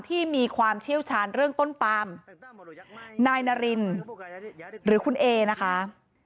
ที่มีความเชี่ยวชาญเรื่องต้นปามนายนารินหรือคุณเอนะคะ